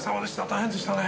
大変でしたね。